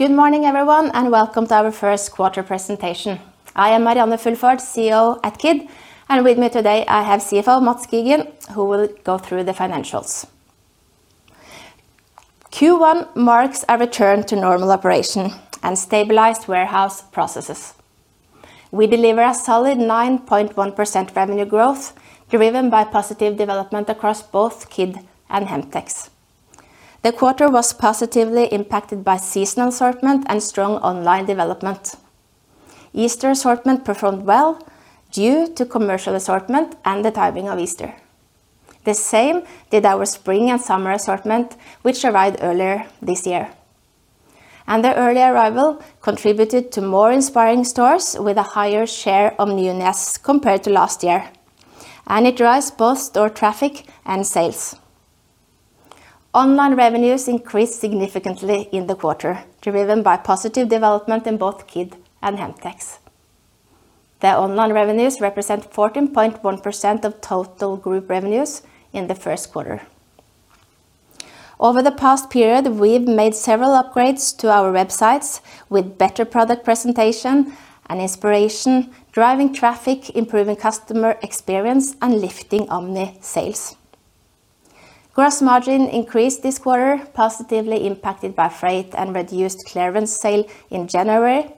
Good morning, everyone, and welcome to our first quarter presentation. I am Marianne Fulford, CEO at Kid. With me today I have CFO Mads Kigen, who will go through the financials. Q1 marks a return to normal operation and stabilized warehouse processes. We deliver a solid 9.1% revenue growth driven by positive development across both Kid and Hemtex. The quarter was positively impacted by seasonal assortment and strong online development. Easter assortment performed well due to commercial assortment and the timing of Easter. The same did our spring and summer assortment, which arrived earlier this year. The early arrival contributed to more inspiring stores with a higher share of newness compared to last year, and it drives both store traffic and sales. Online revenues increased significantly in the quarter, driven by positive development in both Kid and Hemtex. The online revenues represent 14.1% of total Group revenues in the first quarter. Over the past period, we've made several upgrades to our websites with better product presentation and inspiration, driving traffic, improving customer experience, and lifting omni sales. Gross margin increased this quarter, positively impacted by freight and reduced clearance sale in January.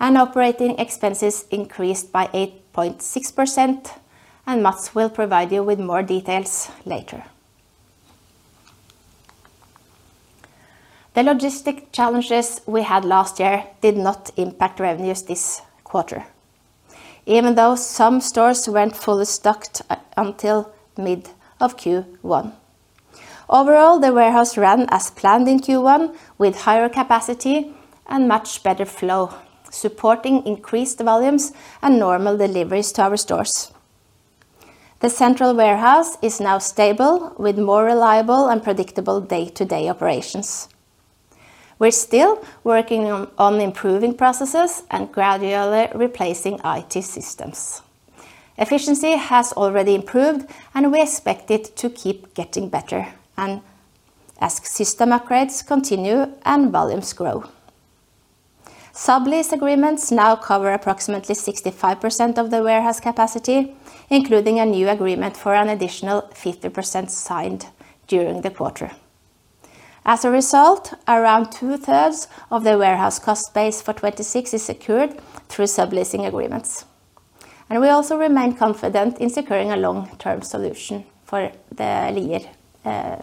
Operating expenses increased by 8.6%, and Mads will provide you with more details later. The logistic challenges we had last year did not impact revenues this quarter, even though some stores weren't fully stocked until mid of Q1. Overall, the warehouse ran as planned in Q1 with higher capacity and much better flow, supporting increased volumes and normal deliveries to our stores. The central warehouse is now stable with more reliable and predictable day-to-day operations. We're still working on improving processes and gradually replacing IT systems. Efficiency has already improved, and we expect it to keep getting better as system upgrades continue and volumes grow. Sublease agreements now cover approximately 65% of the warehouse capacity, including a new agreement for an additional 50% signed during the quarter. As a result, around 2/3 of the warehouse cost base for 2026 is secured through subleasing agreements. We also remain confident in securing a long-term solution for the year.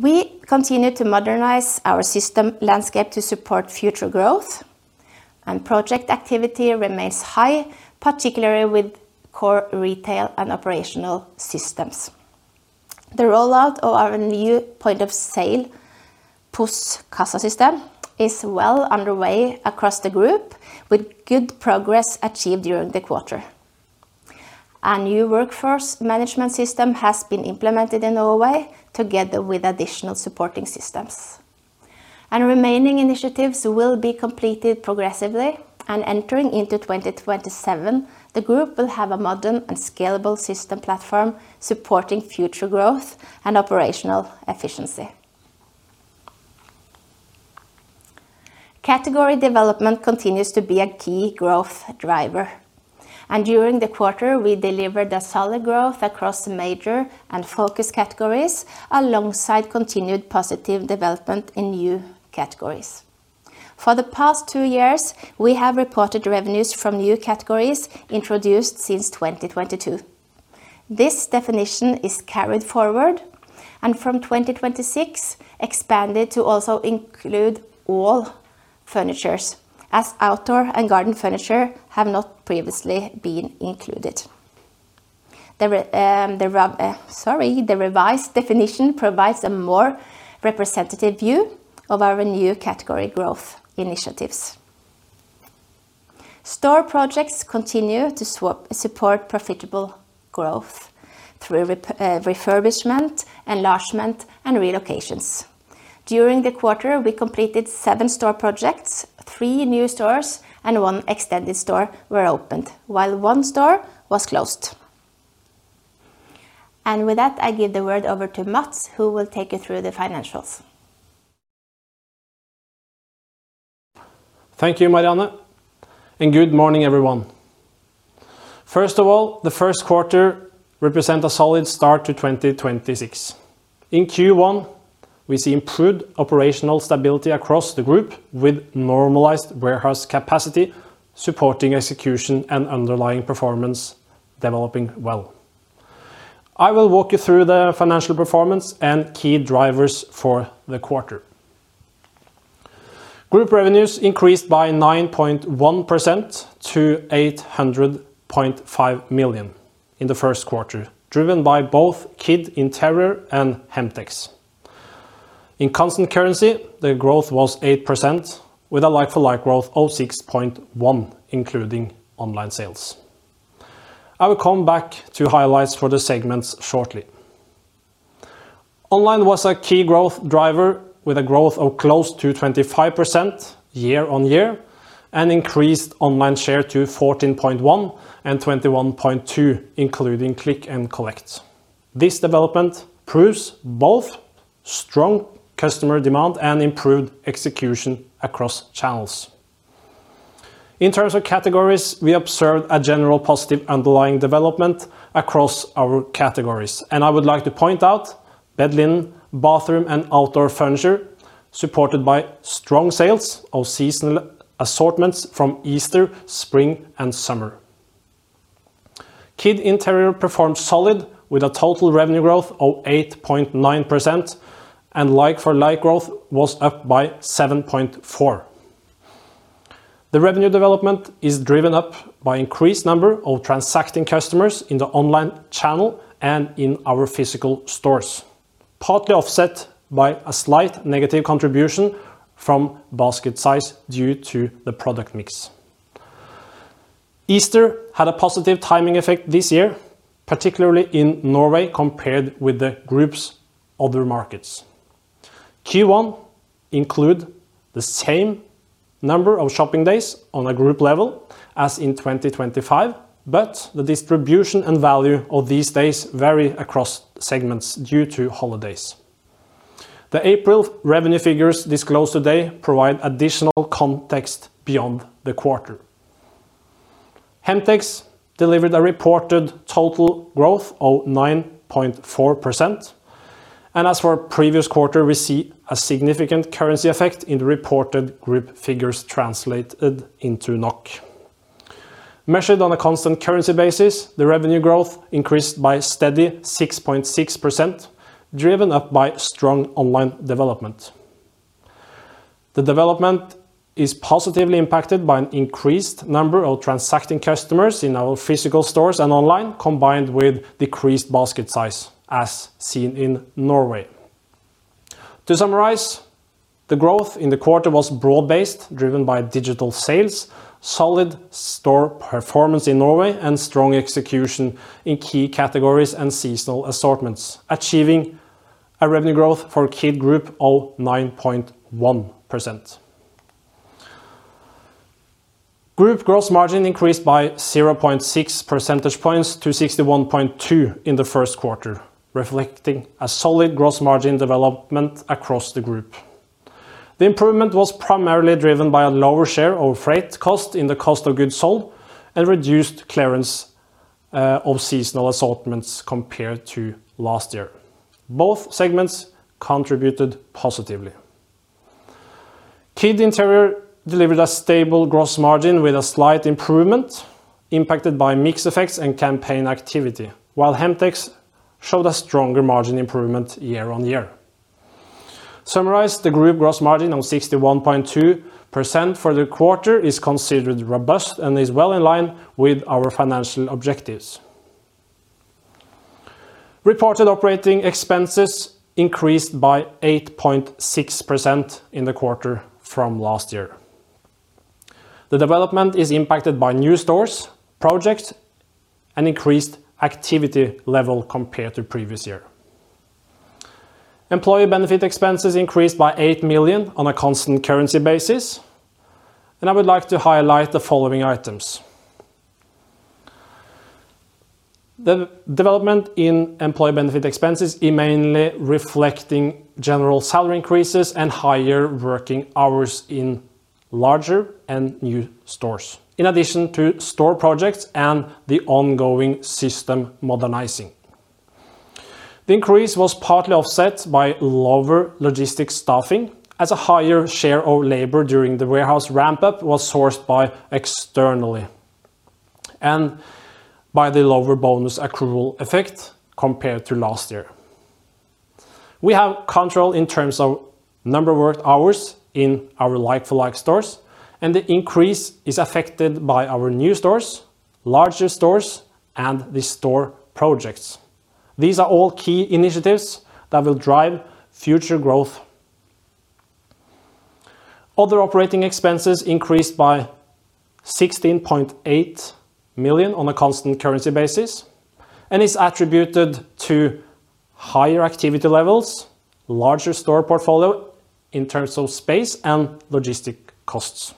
We continue to modernize our system landscape to support future growth and project activity remains high, particularly with core retail and operational systems. The rollout of our new point of sale POS kassa system is well underway across the group with good progress achieved during the quarter. A new workforce management system has been implemented in Norway together with additional supporting systems. Remaining initiatives will be completed progressively and entering into 2027, the group will have a modern and scalable system platform supporting future growth and operational efficiency. Category development continues to be a key growth driver. During the quarter, we delivered a solid growth across major and focus categories alongside continued positive development in new categories. For the past two years, we have reported revenues from new categories introduced since 2022. This definition is carried forward and from 2026 expanded to also include all furniture, as outdoor and garden furniture have not previously been included. The revised definition provides a more representative view of our new category growth initiatives. Store projects continue to support profitable growth through refurbishment, enlargement, and relocations. During the quarter, we completed seven store projects, three new stores, and one extended store were opened, while one store was closed. With that, I give the word over to Mads, who will take you through the financials. Thank you, Marianne, and good morning, everyone. First of all, the first quarter represent a solid start to 2026. In Q1, we see improved operational stability across the Group with normalized warehouse capacity, supporting execution and underlying performance developing well. I will walk you through the financial performance and key drivers for the quarter. Group revenues increased by 9.1% to 800.5 million in the first quarter, driven by both Kid Interior and Hemtex. In constant currency, the growth was 8% with a like-for-like growth of 6.1%, including online sales. I will come back to highlights for the segments shortly. Online was a key growth driver with a growth of close to 25% year-on-year and increased online share to 14.1% and 21.2%, including click and collect. This development proves both strong customer demand and improved execution across channels. In terms of categories, we observed a general positive underlying development across our categories, and I would like to point out bed linen, bathroom, and outdoor furniture supported by strong sales of seasonal assortments from Easter, spring, and summer. Kid Interior performed solid with a total revenue growth of 8.9% and like-for-like growth was up by 7.4%. The revenue development is driven up by increased number of transacting customers in the online channel and in our physical stores, partly offset by a slight negative contribution from basket size due to the product mix. Easter had a positive timing effect this year, particularly in Norway compared with the group's other markets. Q1 include the same number of shopping days on a group level as in 2025, but the distribution and value of these days vary across segments due to holidays. The April revenue figures disclosed today provide additional context beyond the quarter. Hemtex delivered a reported total growth of 9.4% and as for previous quarter, we see a significant currency effect in the reported group figures translated into NOK. Measured on a constant currency basis, the revenue growth increased by a steady 6.6% driven up by strong online development. The development is positively impacted by an increased number of transacting customers in our physical stores and online combined with decreased basket size as seen in Norway. To summarize, the growth in the quarter was broad-based, driven by digital sales, solid store performance in Norway, and strong execution in key categories and seasonal assortments, achieving a revenue growth for Kid Group of 9.1%. Group gross margin increased by 0.6 percentage points to 61.2% in the first quarter, reflecting a solid gross margin development across the group. The improvement was primarily driven by a lower share of freight cost in the cost of goods sold and reduced clearance of seasonal assortments compared to last year. Both segments contributed positively. Kid Interior delivered a stable gross margin with a slight improvement impacted by mix effects and campaign activity. While Hemtex showed a stronger margin improvement year-on-year. Summarize the group gross margin of 61.2% for the quarter is considered robust and is well in line with our financial objectives. Reported operating expenses increased by 8.6% in the quarter from last year. The development is impacted by new stores, projects, and increased activity level compared to previous year. Employee benefit expenses increased by 8 million on a constant currency basis, and I would like to highlight the following items. The development in employee benefit expenses is mainly reflecting general salary increases and higher working hours in larger and new stores in addition to store projects and the ongoing system modernizing. The increase was partly offset by lower logistics staffing as a higher share of labor during the warehouse ramp-up was sourced by externally and by the lower bonus accrual effect compared to last year. We have control in terms of number of worked hours in our like-for-like stores, and the increase is affected by our new stores, larger stores, and the store projects. These are all key initiatives that will drive future growth. Other operating expenses increased by 16.8 million on a constant currency basis and is attributed to higher activity levels, larger store portfolio in terms of space and logistic costs.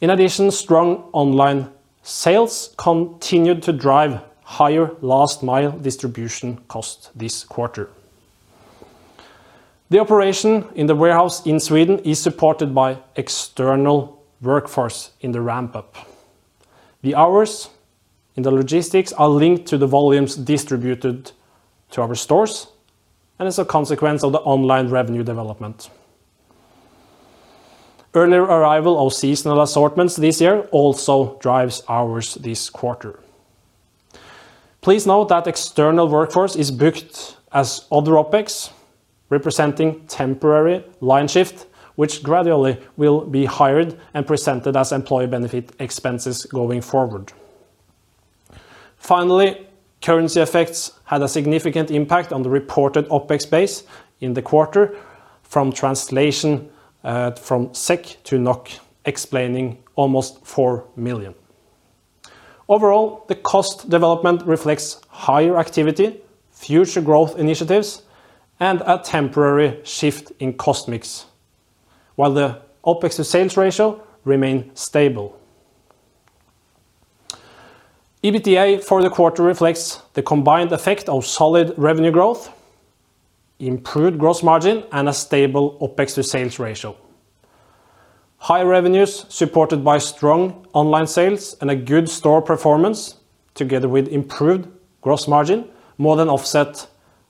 In addition, strong online sales continued to drive higher last mile distribution cost this quarter. The operation in the warehouse in Sweden is supported by external workforce in the ramp-up. The hours in the logistics are linked to the volumes distributed to our stores and as a consequence of the online revenue development. Earlier arrival of seasonal assortments this year also drives hours this quarter. Please note that external workforce is booked as other OpEx, representing temporary line shift, which gradually will be hired and presented as employee benefit expenses going forward. Finally, currency effects had a significant impact on the reported OpEx base in the quarter from translation from SEK to NOK explaining almost 4 million. Overall, the cost development reflects higher activity, future growth initiatives, and a temporary shift in cost mix. While the OpEx to sales ratio remain stable. EBITDA for the quarter reflects the combined effect of solid revenue growth, improved gross margin, and a stable OpEx to sales ratio. High revenues supported by strong online sales and a good store performance together with improved gross margin more than offset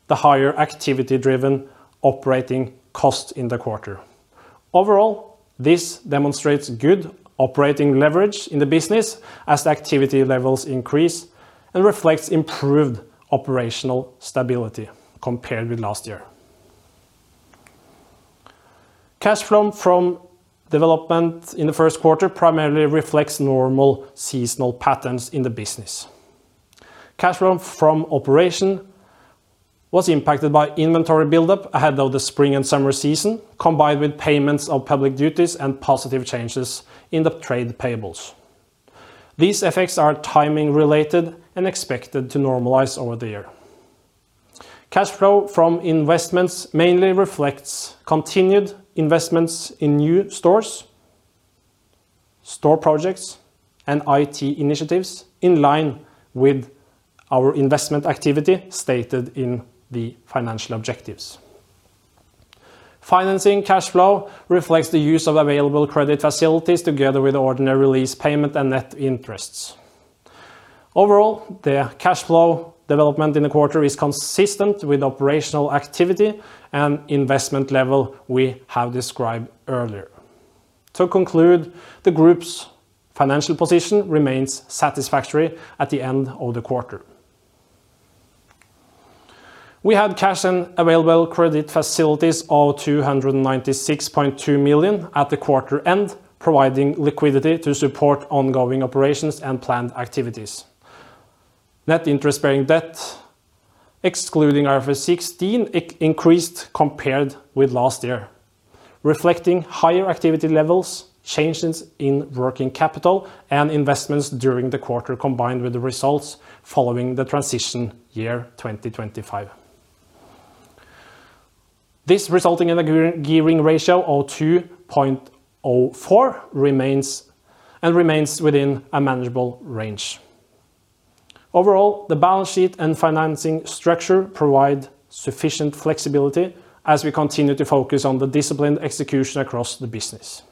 the higher activity-driven operating cost in the quarter. Overall, this demonstrates good operating leverage in the business as the activity levels increase and reflects improved operational stability compared with last year. Cash flow development in the first quarter primarily reflects normal seasonal patterns in the business. Cash flow from operation was impacted by inventory buildup ahead of the spring and summer season, combined with payments of public duties and positive changes in the trade payables. These effects are timing related and expected to normalize over the year. Cash flow from investments mainly reflects continued investments in new stores, store projects and IT initiatives in line with our investment activity stated in the financial objectives. Financing cash flow reflects the use of available credit facilities together with ordinary lease payment and net interests. Overall, the cash flow development in the quarter is consistent with operational activity and investment level we have described earlier. To conclude, the group's financial position remains satisfactory at the end of the quarter. We had cash and available credit facilities of 296.2 million at the quarter end, providing liquidity to support ongoing operations and planned activities. Net interest-bearing debt, excluding IFRS 16, increased compared with last year, reflecting higher activity levels, changes in working capital, and investments during the quarter, combined with the results following the transition year 2025. This resulting in a gearing ratio of 2.04 remains, and remains within a manageable range. Overall, the balance sheet and financing structure provide sufficient flexibility as we continue to focus on the disciplined execution across the business.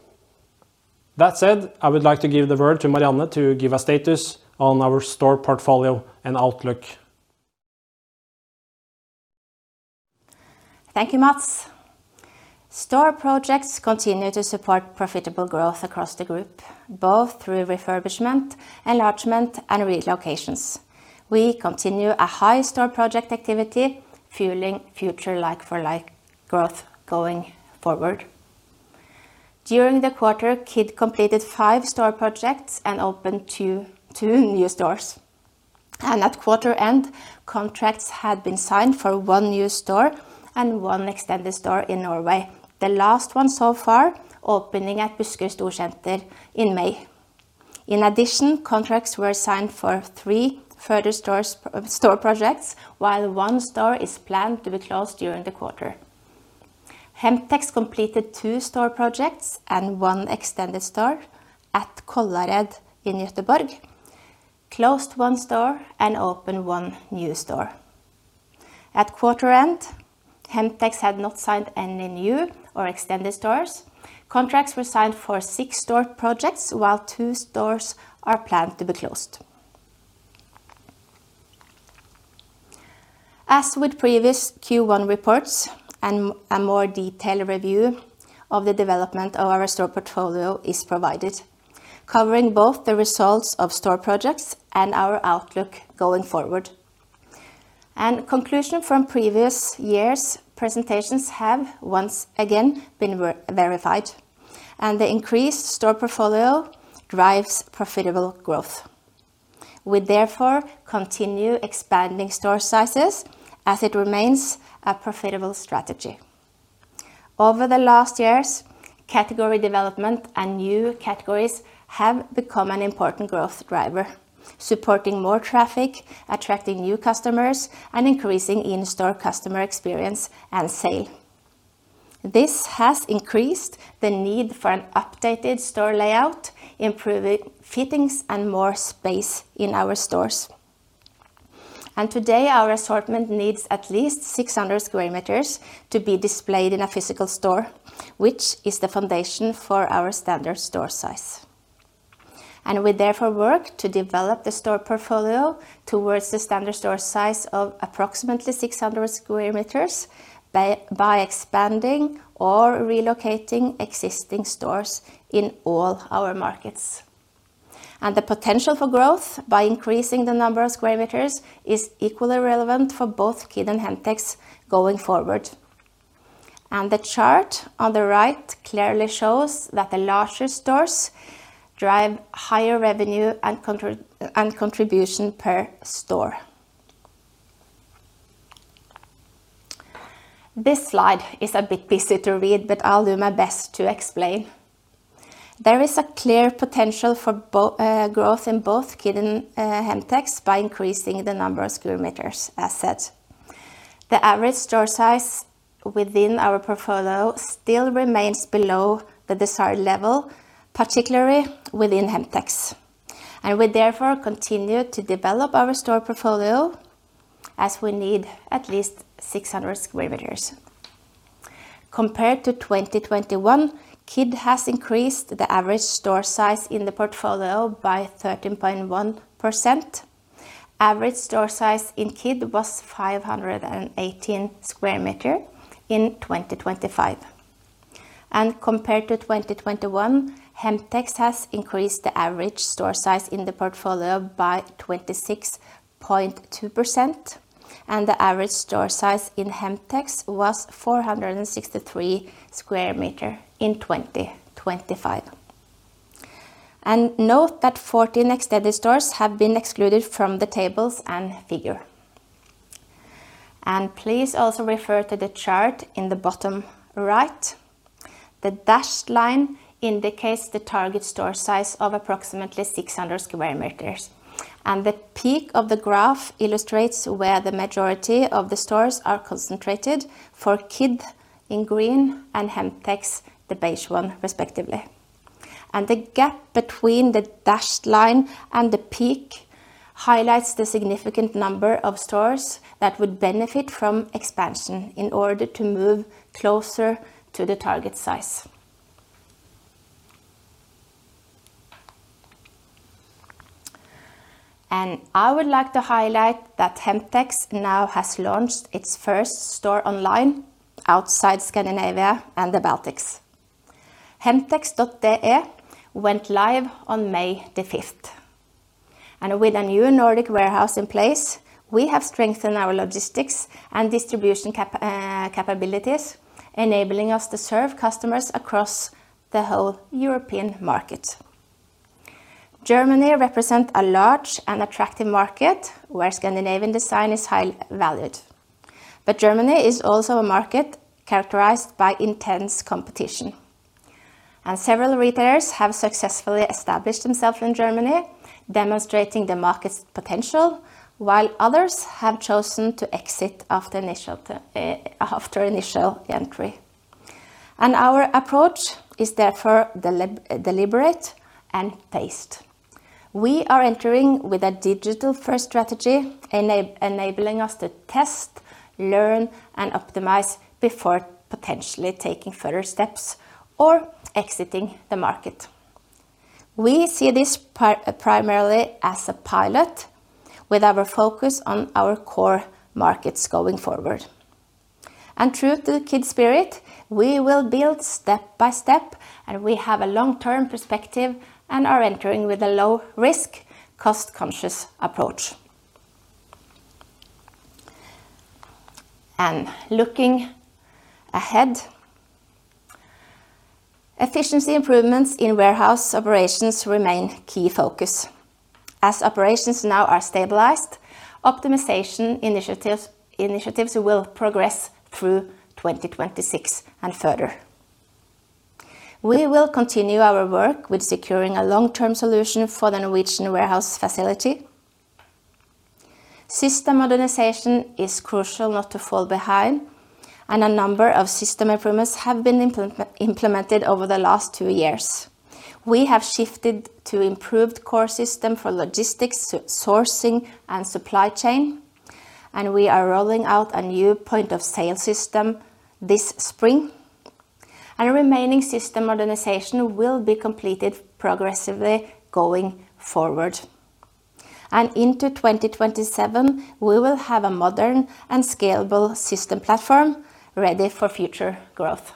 That said, I would like to give the word to Marianne to give a status on our store portfolio and outlook. Thank you, Mads. Store projects continue to support profitable growth across the group, both through refurbishment, enlargement and relocations. We continue a high store project activity, fueling future like-for-like growth going forward. During the quarter, Kid completed five store projects and opened two new stores. At quarter end, contracts had been signed for one new store and one extended store in Norway, the last one so far opening at Buskerud Storsenter in May. In addition, contracts were signed for three further store projects, while one store is planned to be closed during the quarter. Hemtex completed two store projects and one extended store at Kållered in Göteborg, closed one store and opened one new store. At quarter end, Hemtex had not signed any new or extended stores. Contracts were signed for six store projects, while two stores are planned to be closed. As with previous Q1 reports, a more detailed review of the development of our store portfolio is provided, covering both the results of store projects and our outlook going forward. Conclusion from previous years' presentations have once again been verified, and the increased store portfolio drives profitable growth. We therefore continue expanding store sizes as it remains a profitable strategy. Over the last years, category development and new categories have become an important growth driver, supporting more traffic, attracting new customers, and increasing in-store customer experience and sale. This has increased the need for an updated store layout, improving fittings and more space in our stores. Today, our assortment needs at least 600 sq m to be displayed in a physical store, which is the foundation for our standard store size. We therefore work to develop the store portfolio towards the standard store size of approximately 600 sq m by expanding or relocating existing stores in all our markets. The potential for growth by increasing the number of square meters is equally relevant for both Kid and Hemtex going forward. The chart on the right clearly shows that the larger stores drive higher revenue and contribution per store. This slide is a bit busy to read, but I'll do my best to explain. There is a clear potential for growth in both Kid and Hemtex by increasing the number of square meters. The average store size within our portfolio still remains below the desired level, particularly within Hemtex. We therefore continue to develop our store portfolio as we need at least 600 sq m. Compared to 2021, Kid has increased the average store size in the portfolio by 13.1%. Average store size in Kid was 518 sq m in 2025. Compared to 2021, Hemtex has increased the average store size in the portfolio by 26.2%, and the average store size in Hemtex was 463 sq m in 2025. Note that 14 extended stores have been excluded from the tables and figure. Please also refer to the chart in the bottom right. The dashed line indicates the target store size of approximately 600 sq m, and the peak of the graph illustrates where the majority of the stores are concentrated for Kid in green and Hemtex, the beige one respectively. The gap between the dashed line and the peak highlights the significant number of stores that would benefit from expansion in order to move closer to the target size. I would like to highlight that Hemtex now has launched its first store online outside Scandinavia and the Baltics. hemtex.de went live on May 5. With a new Nordic warehouse in place, we have strengthened our logistics and distribution capabilities, enabling us to serve customers across the whole European market. Germany represent a large and attractive market where Scandinavian design is highly valued. Germany is also a market characterized by intense competition. Several retailers have successfully established themselves in Germany, demonstrating the market's potential, while others have chosen to exit after initial entry. Our approach is therefore deliberate and paced. We are entering with a digital-first strategy enabling us to test, learn, and optimize before potentially taking further steps or exiting the market. We see this primarily as a pilot with our focus on our core markets going forward. True to Kid spirit, we will build step by step, and we have a long-term perspective and are entering with a low risk, cost-conscious approach. Looking ahead, efficiency improvements in warehouse operations remain key focus. As operations now are stabilized, optimization initiatives will progress through 2026 and further. We will continue our work with securing a long-term solution for the Norwegian warehouse facility. System modernization is crucial not to fall behind, and a number of system improvements have been implemented over the last two years. We have shifted to improved core system for logistics, sourcing, and supply chain. We are rolling out a new point of sale system this spring. Remaining system modernization will be completed progressively going forward. Into 2027, we will have a modern and scalable system platform ready for future growth.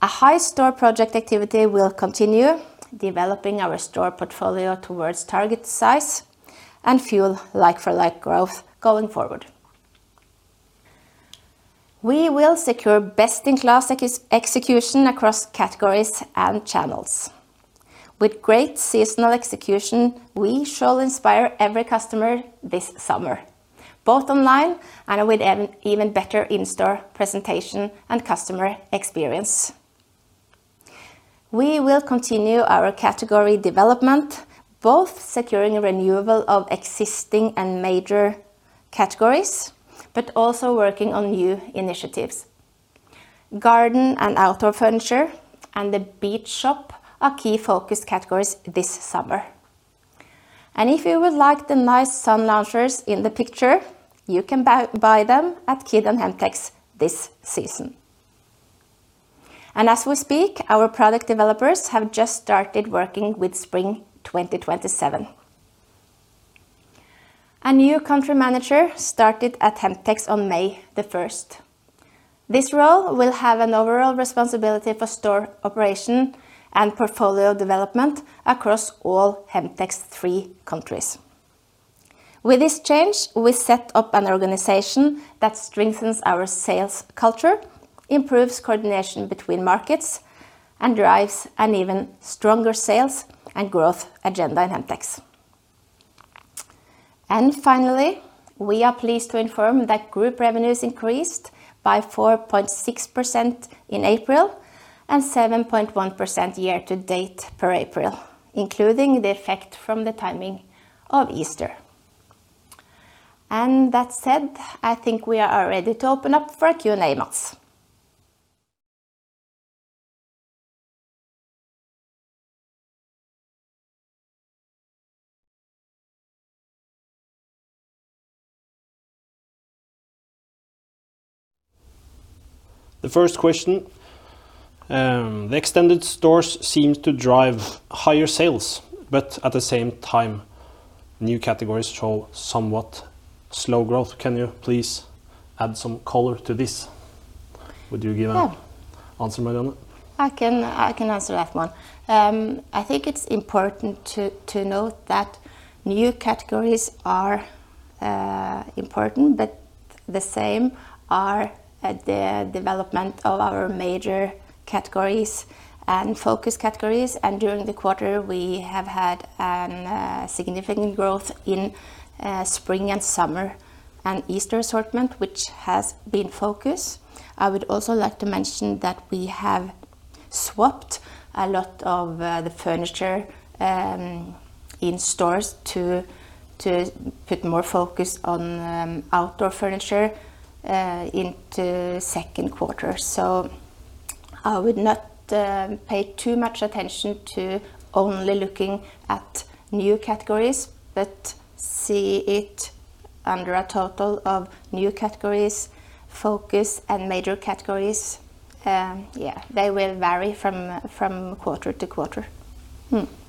A high store project activity will continue developing our store portfolio towards target size and fuel like-for-like growth going forward. We will secure best-in-class execution across categories and channels. With great seasonal execution, we shall inspire every customer this summer, both online and with even better in-store presentation and customer experience. We will continue our category development, both securing renewal of existing and major categories, but also working on new initiatives. Garden and outdoor furniture and the beach shop are key focus categories this summer. If you would like the nice sun loungers in the picture, you can buy them at Kid and Hemtex this season. As we speak, our product developers have just started working with spring 2027. A new country manager started at Hemtex on May 1st. This role will have an overall responsibility for store operation and portfolio development across all Hemtex three countries. With this change, we set up an organization that strengthens our sales culture, improves coordination between markets, and drives an even stronger sales and growth agenda in Hemtex. Finally, we are pleased to confirm that group revenues increased by 4.6% in April and 7.1% year to date per April, including the effect from the timing of Easter. That said, I think we are ready to open up for Q&A now. The first question, the extended stores seems to drive higher sales, but at the same time, new categories show somewhat slow growth. Can you please add some color to this answer, Marianne? I can answer that one. I think it's important to note that new categories are important, but the same are at the development of our major categories and focus categories. During the quarter, we have had a significant growth in spring and summer and Easter assortment, which has been focus. I would also like to mention that we have swapped a lot of the furniture in stores to put more focus on outdoor furniture into second quarter. I would not pay too much attention to only looking at new categories, but see it under a total of new categories, focus and major categories. Yeah, they will vary from quarter to quarter.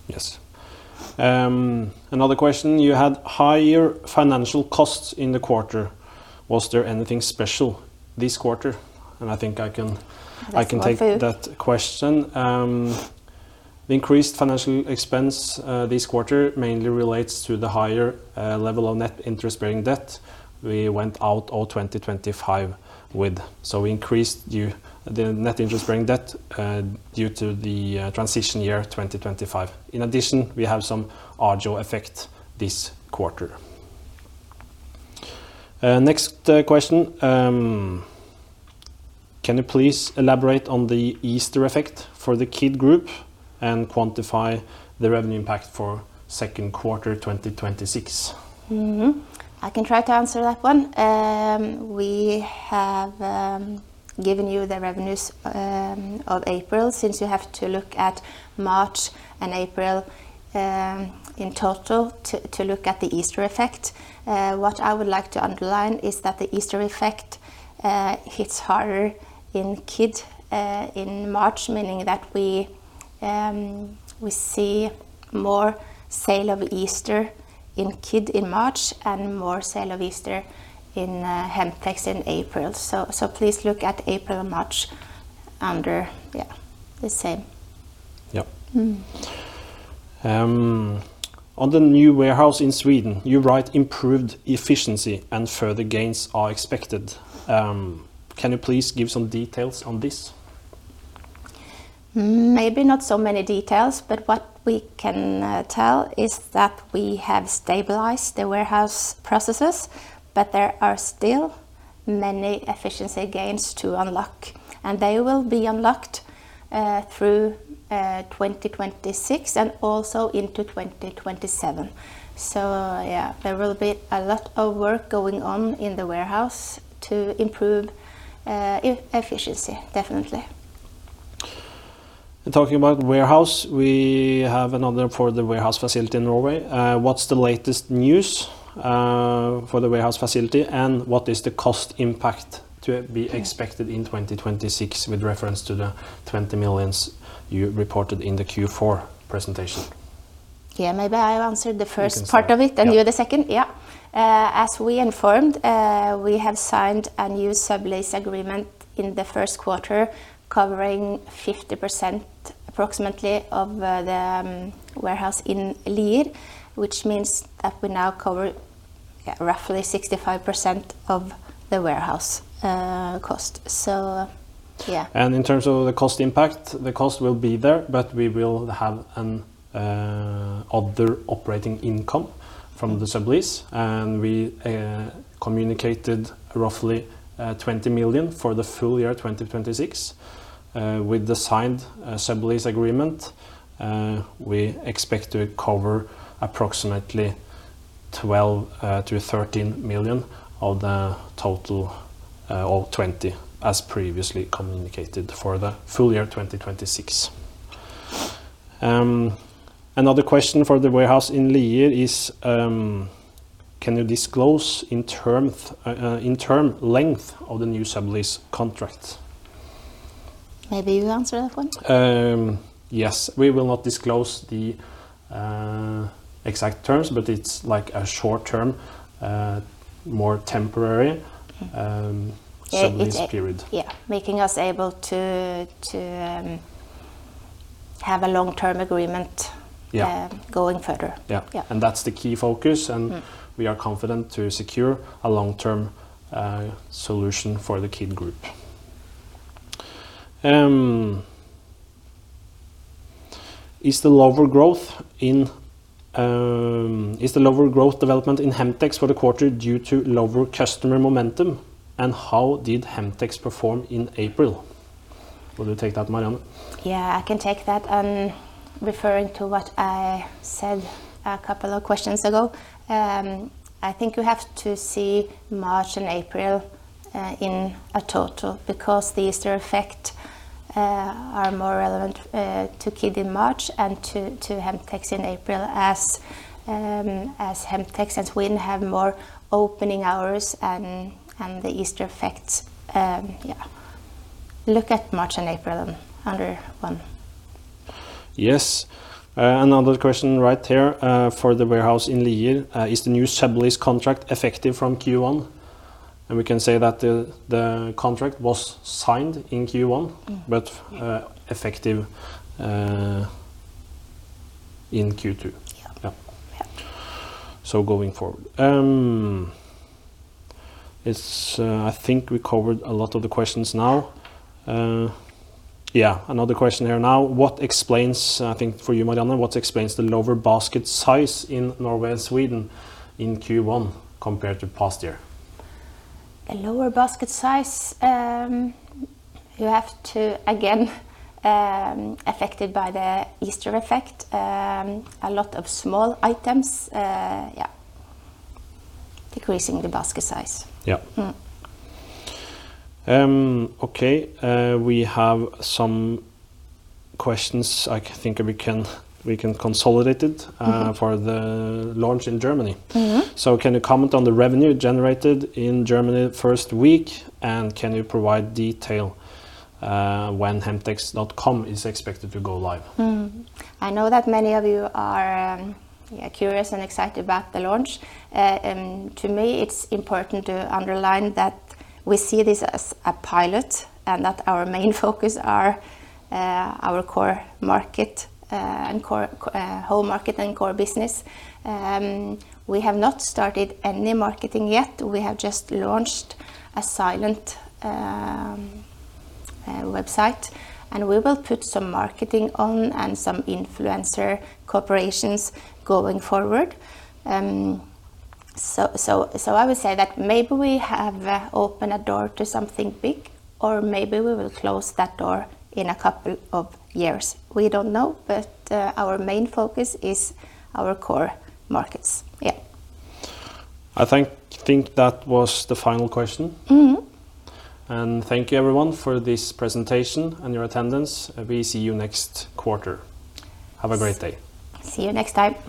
Yes. Another question. You had higher financial costs in the quarter. Was there anything special this quarter? That's for you. I can take that question. The increased financial expense this quarter mainly relates to the higher level of net interest-bearing debt we went out all 2025 with. Increased the net interest-bearing debt due to the transition year, 2025. In addition, we have some agio effect this quarter. Next question. Can you please elaborate on the Easter effect for the Kid Group and quantify the revenue impact for second quarter 2026? I can try to answer that one. We have given you the revenues of April, since you have to look at March and April in total to look at the Easter effect. What I would like to underline is that the Easter effect hits harder in Kid in March, meaning that we see more sale of Easter in Kid in March and more sale of Easter in Hemtex in April. Please look at April and March under the same. Yeah. On the new warehouse in Sweden, you write improved efficiency and further gains are expected. Can you please give some details on this? Maybe not so many details, but what we can tell is that we have stabilized the warehouse processes, but there are still many efficiency gains to unlock, and they will be unlocked through 2026 and also into 2027. Yeah, there will be a lot of work going on in the warehouse to improve efficiency, definitely. Talking about warehouse, we have another for the warehouse facility in Norway. What's the latest news for the warehouse facility, and what is the cost impact to be expected in 2026 with reference to the 20 million you reported in the Q4 presentation? Yeah, maybe I answer. You can start. part of it, you the second. Yeah. As we informed, we have signed a new sublease agreement in the first quarter covering 50% approximately of the warehouse in Lier, which means that we now cover, yeah, roughly 65% of the warehouse cost. Yeah. In terms of the cost impact, the cost will be there, but we will have an other operating income from the sublease, and we communicated roughly 20 million for the full year 2026. With the signed sublease agreement, we expect to cover approximately 12 million-13 million of the total of 20 million as previously communicated for the full year 2026. Another question for the warehouse in Lier is, can you disclose in term length of the new sublease contract? Maybe you answer that one. Yes. We will not disclose the exact terms, but it's like a short-term, more temporary sublease period. Yeah, making us able to have a long-term agreement going further. Yeah. That's the key focus. We are confident to secure a long-term solution for the Kid Group. Is the lower growth development in Hemtex for the quarter due to lower customer momentum? How did Hemtex perform in April? Will you take that, Marianne? Yeah, I can take that. Referring to what I said a couple of questions ago, I think we have to see March and April in a total because the Easter effect are more relevant to Kid in March and to Hemtex in April as Hemtex and Sweden have more opening hours and the Easter effects. Look at March and April under one. Yes. Another question right here for the warehouse in Lier. Is the new sublease contract effective from Q1? We can say that the contract was signed in Q1. But, effective in Q2. Going forward. It's, I think we covered a lot of the questions now. Yeah, another question here now. What explains, I think for you, Marianne, what explains the lower basket size in Norway and Sweden in Q1 compared to past year? The lower basket size, you have to, again, affected by the Easter effect. A lot of small items, decreasing the basket size. Yeah. Okay. We have some questions I think we can consolidate for the launch in Germany. Can you comment on the revenue generated in Germany first week, and can you provide detail, when Hemtex.com is expected to go live? I know that many of you are, yeah, curious and excited about the launch. To me, it's important to underline that we see this as a pilot and that our main focus are our core market and core home market and core business. We have not started any marketing yet. We have just launched a silent website, and we will put some marketing on and some influencer cooperations going forward. I would say that maybe we have opened a door to something big, or maybe we will close that door in a couple of years. We don't know, but our main focus is our core markets. Yeah. I think that was the final question. Thank you everyone for this presentation and your attendance. We'll see you next quarter. Have a great day. See you next time.